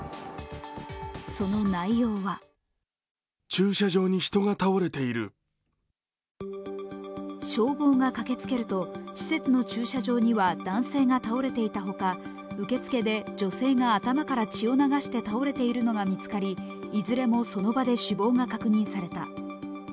その内容は消防が駆けつけると、施設の駐車場には男性が倒れていたほか受付で女性が頭から血を流して倒れているのが見つかり、いずれもその場で死亡が確認された。